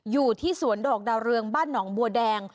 อยู่ที่สวนดอกดาวเรืองบ้านหนองบัวแดง